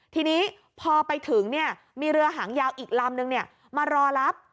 ทีนี้พอไปถึงมีเรือหางยาวอีกลำนึงมารอรับ